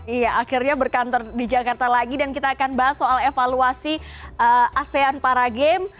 iya akhirnya berkantor di jakarta lagi dan kita akan bahas soal evaluasi asean para games